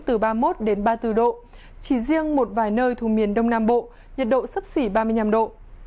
từ ba mươi một đến ba mươi bốn độ chỉ riêng một vài nơi thu miền đông nam bộ nhiệt độ sấp xỉ ba mươi năm độ